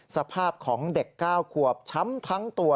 สภาพของเด็ก๙ขวบช้ำทั้งตัว